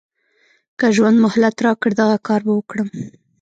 که ژوند مهلت راکړ دغه کار به وکړم.